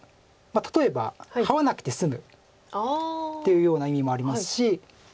例えばハワなくて済むっていうような意味もありますし。